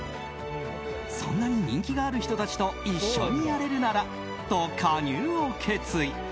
そんなに人気がある人たちと一緒にやれるならと加入を決意。